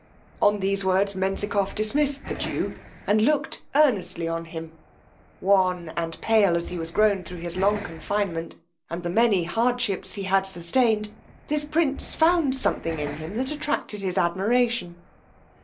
On these words Menzikoff dismissed the jew, and looked earnestly on him; wan and pale as he was grown thro' his long confinement, and the many hardships he had sustained, this prince found something in him that attracted his admiration.